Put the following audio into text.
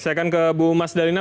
saya akan ke bu mas dalina